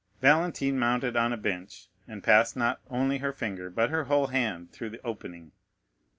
Valentine mounted on a bench, and passed not only her finger but her whole hand through the opening.